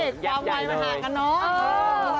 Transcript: พอมายมาหากันเนอะ